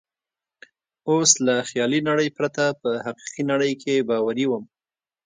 اوس له خیالي نړۍ پرته په حقیقي نړۍ کې باوري وم.